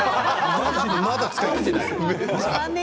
まだ使ってない。